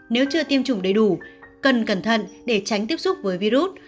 nếu chưa tiêm chủng đầy đủ cần cẩn thận để tránh tiếp xúc với virus